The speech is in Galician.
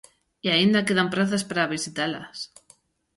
E aínda quedan prazas para visitalas.